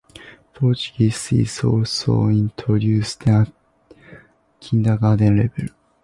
Portuguese is also introduced at the kindergarten level.